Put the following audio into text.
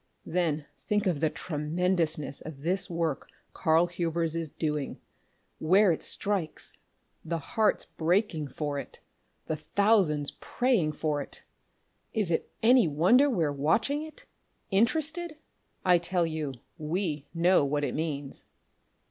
Then think of the tremendousness of this work Karl Hubers is doing! where it strikes the hearts breaking for it the thousands praying for it! Is it any wonder we're watching it? Interested? I tell you we know what it means."